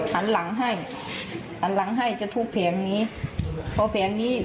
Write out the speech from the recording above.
หาหลังให้อย่างหลังให้เราพูดแผงนี้ต่อแผ่นนี้